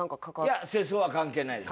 いや世相は関係ないです。